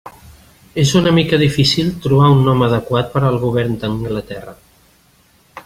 És una mica difícil trobar un nom adequat per al govern d'Anglaterra.